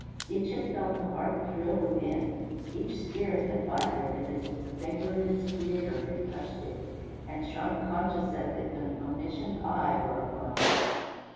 Each had felt the heart thrill within each spirit had vibrated as if the finger of its Creator had touched it, and shrunk conscious as if an omniscient eye were upon it.